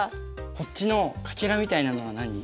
こっちのかけらみたいなのは何？